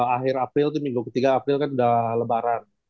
akhir april itu minggu ketiga april kan udah lebaran